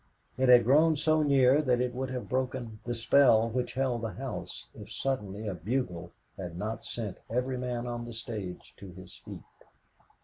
It had grown so near that it would have broken the spell which held the house, if suddenly a bugle had not sent every man on the stage to his feet.